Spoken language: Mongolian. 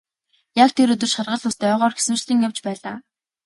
Яг тэр өдөр шаргал үст ойгоор хэсүүчлэн явж байлаа.